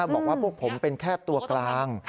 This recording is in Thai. บอกว่าพวกผมเป็นแค่ตัวกลาง